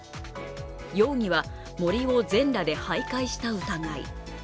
容疑は森を全裸ではいかいした疑い。